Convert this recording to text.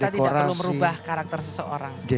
dan kita tidak perlu merubah karakter seseorang